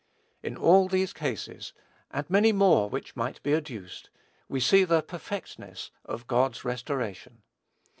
In all these cases, and many more which might be adduced, we see the perfectness of God's restoration.